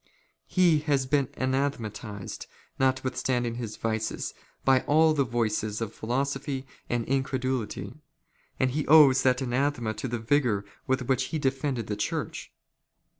He has been anathe " matized, notwithstanding his vices, by all the voices of " philosophy and incredulity, and he owes that anathema to the *' vigour with which he defended the Church.